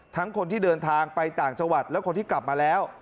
คนที่เดินทางไปต่างจังหวัดและคนที่กลับมาแล้ว